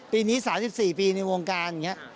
ปีนี้๓๔ปีในวงการอย่างนี้